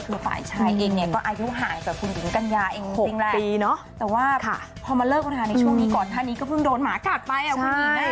คือฝ่ายชายเองเนี่ยก็อายุห่างจากคุณหญิงกัญญาเอง๖ปีเนาะแต่ว่าพอมาเลิกราในช่วงนี้ก่อนท่านนี้ก็เพิ่งโดนหมากัดไปอ่ะคุณหญิง